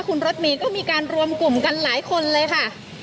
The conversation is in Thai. คุณรถเมย์ก็มีการรวมกลุ่มกันหลายคนเลยค่ะ